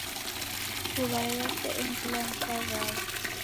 Mbuw'a yose engirilwa ni saw'au.